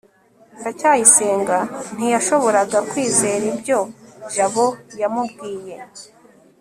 ndacyayisenga ntiyashoboraga kwizera ibyo jabo yamubwiye